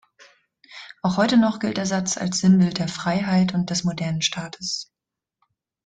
Auch heute noch gilt der Satz als Sinnbild der Freiheit und des modernen Staates.